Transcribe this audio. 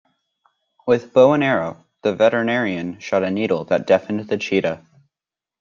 With bow and arrow the veterinarian shot a needle that deafened the cheetah.